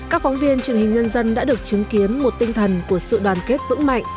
các phóng viên truyền hình nhân dân đã được chứng kiến một tinh thần của sự đoàn kết vững mạnh